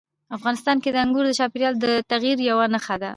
افغانستان کې انګور د چاپېریال د تغیر یوه نښه ده.